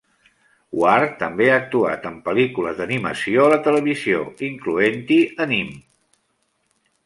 Ward també ha actuat en pel·lícules d'animació a la televisió, incloent-hi anime.